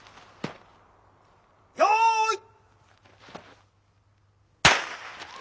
よい。